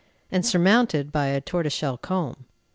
and surmounted by a tortoise shell comb.